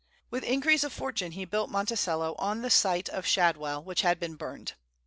With increase of fortune he built "Monticello," on the site of "Shadwell," which had been burned.